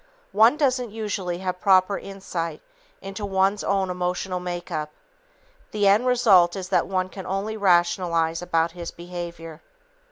One doesn't usually have proper insight into one's own emotional make up. The end result is that one can only rationalize about his behavior.